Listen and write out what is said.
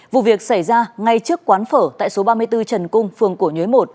vụ việc xảy ra ngay trước quán phở tại số ba mươi bốn trần cung phường cổ nhới một